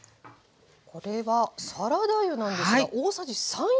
これはサラダ油なんですが大さじ３４杯入りました。